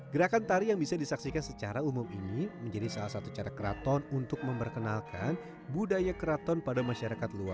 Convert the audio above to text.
gerakan tari yang bisa disaksikan secara umum ini menjadi salah satu cara keraton untuk memperkenalkan budaya keraton pada masa lalu